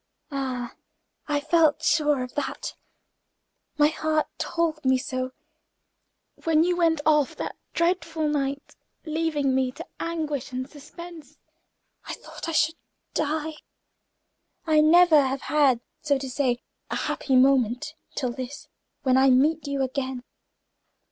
"Ah, I felt sure of that. My heart told me so. When you went off, that dreadful night, leaving me to anguish and suspense, I thought I should have died. I never have had, so to say, a happy moment until this, when I meet you again."